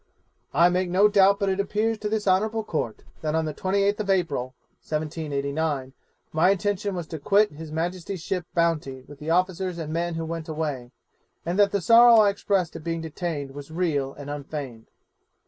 'I make no doubt but it appears to this honourable Court, that on the 28th of April, 1789, my intention was to quit his Majesty's ship Bounty with the officers and men who went away, and that the sorrow I expressed at being detained was real and unfeigned.